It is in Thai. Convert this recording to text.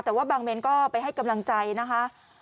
แต่ว่าบางเมนก็ไปให้กำลังใจนะคะ